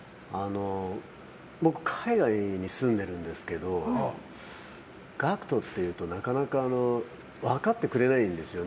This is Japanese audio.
僕、海外に住んでるんですけどＧＡＣＫＴっていうとなかなか分かってくれないんです。